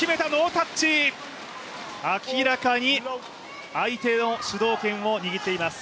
明らかに相手の主導権を握っています。